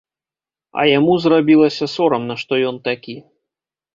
А яму зрабілася сорамна, што ён такі.